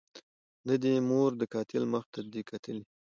نه دي مور د قاتل مخ ته دي کتلي